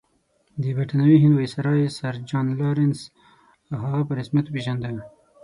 د برټانوي هند ویسرا سر جان لارنس هغه په رسمیت وپېژانده.